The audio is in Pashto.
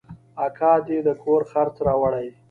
اکا دې د کور خرڅ راوړي.